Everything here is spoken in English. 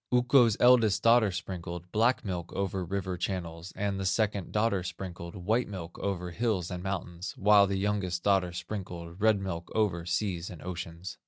"Ukko's eldest daughter sprinkled Black milk over river channels And the second daughter sprinkled White milk over hills and mountains, While the youngest daughter sprinkled Red milk over seas and oceans.